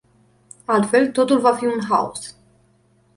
Altfel, totul va fi un haos.